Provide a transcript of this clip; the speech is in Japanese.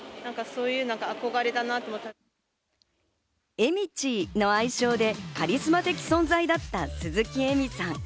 えみちぃの愛称でカリスマ的存在だった鈴木えみさん。